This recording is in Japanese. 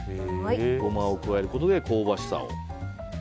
ゴマを加えることで香ばしさを。